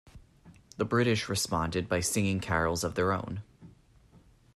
The British responded by singing carols of their own.